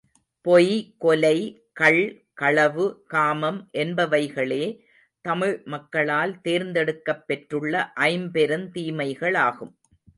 பொய், கொலை, கள், களவு, காமம் என்பவைகளே தமிழ் மக்களால் தேர்ந்தெடுக்கப் பெற்றுள்ள ஐம்பெருந் தீமைகளாகும்.